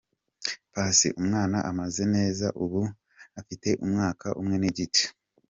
Paccy : Umwana ameze neza, ubu afite umwaka umwe n’igice.